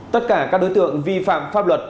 tất cả các đối tượng vi phạm pháp luật